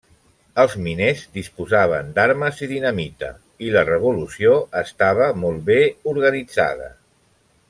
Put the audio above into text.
Els miners disposaven d'armes i dinamita, i la revolució estava molt bé organitzada.